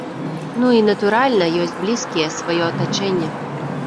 Ну, і, натуральна, ёсць блізкія, сваё атачэнне.